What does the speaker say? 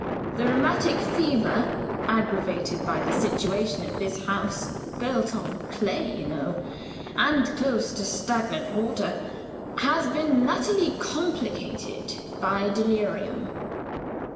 The rheumatic fever (aggravated by the situation of this house built on clay, you know, and close to stagnant water) has been latterly complicated by delirium."